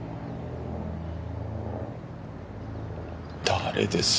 誰です？